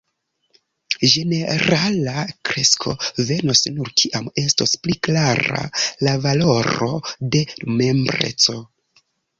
”Ĝenerala kresko venos nur kiam estos pli klara la valoro de membreco”.